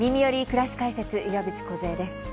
くらし解説」岩渕梢です。